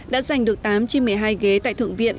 đã giành được tám trên một mươi hai ghế tại thượng viện